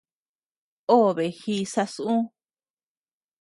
Obe ji sasu.